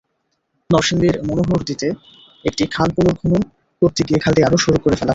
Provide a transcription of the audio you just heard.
নরসিংদীর মনোহরদীতে একটি খাল পুনঃখনন করতে গিয়ে খালটি আরও সরু করে ফেলা হয়েছে।